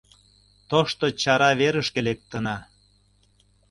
Тошто Чара верышке лектына.